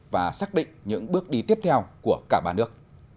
và xác định những bước đi tiếp theo của cả ba nước